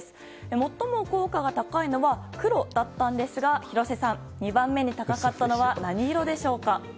最も効果が高いのは黒だったのですが廣瀬さん、２番目に高かったのは何色でしょうか。